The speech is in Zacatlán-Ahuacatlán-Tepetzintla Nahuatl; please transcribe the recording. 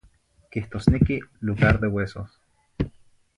Quihtozniqui lugar de huesos.